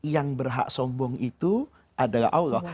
yang berhak sombong itu adalah allah